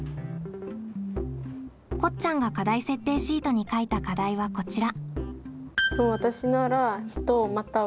こっちゃんが課題設定シートに書いた課題はこちら。